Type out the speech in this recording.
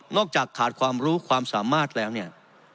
จากขาดความรู้ความสามารถแล้วเนี่ย